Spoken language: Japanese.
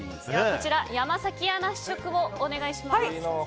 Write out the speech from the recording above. こちら、山崎アナ試食をお願いします。